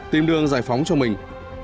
tìm đường giải phóng cho mình